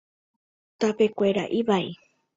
Tapekuéra ivai.